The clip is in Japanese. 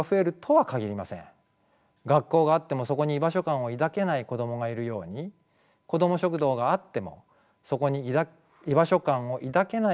学校があってもそこに居場所感を抱けない子供がいるようにこども食堂があってもそこに居場所感を抱けない子供はいるでしょう。